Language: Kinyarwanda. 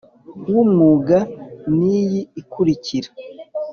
w umwuga ni iyi ikurikira